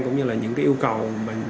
cũng như là những cái yêu cầu